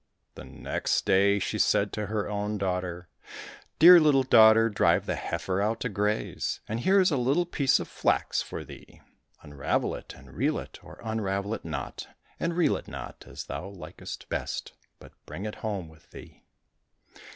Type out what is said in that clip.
The next day she said to her own daughter, " Dear little daughter, drive the heifer out to graze, and here is a little piece of flax for thee, unravel it and reel it, or unravel it not and reel it not as thou likest best, but bring it home with thee."